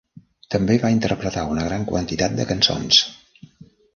També va interpretar una gran quantitat de cançons.